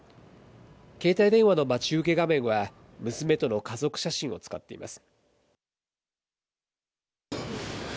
携帯電話の待ち受け画面は、娘との家族写真を使っています。